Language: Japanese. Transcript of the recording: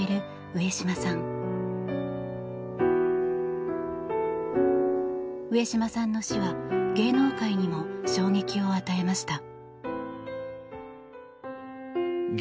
上島さんの死は芸能界にも衝撃を与えました。